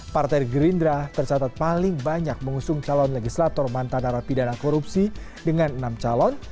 partai gerindra tercatat paling banyak mengusung calon legislator mantan arah pidana korupsi dengan enam calon